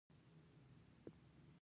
له هر چا چې پوښتنه وکړې لاره در ښیي.